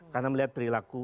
karena melihat perilaku